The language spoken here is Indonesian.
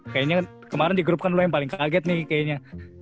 kayaknya kemarin di grup kan lo yang paling kaget nih kayaknya